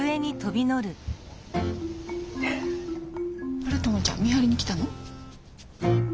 あらトムちゃん見張りに来たの？